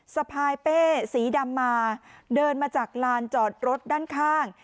สะพายเป้สีดำมาเดินมาจากลานจอดรถด้านข้าง